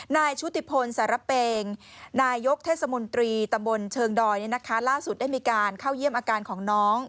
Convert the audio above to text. ชุติพลสารเปงนายกเทศมนตรีตำบลเชิงดอยล่าสุดได้มีการเข้าเยี่ยมอาการของน้อง